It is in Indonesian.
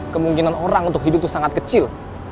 kemungkinan orang untuk hidup itu sangat kecil